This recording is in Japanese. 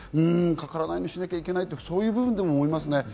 かからないようにしなきゃいけない、そういう部分でも思いますね。